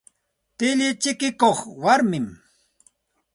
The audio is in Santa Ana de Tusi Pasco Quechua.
Tilli chikikuq warmimi.